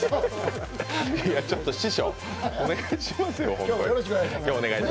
ちょっと師匠、お願いしますよ、ホントに。